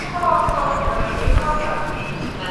په خپل لاس مي دا تقدیر جوړ کړ ته نه وې